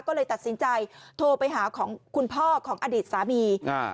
ก็เลยตัดสินใจโทรไปหาของคุณพ่อของอดีตสามีอ่า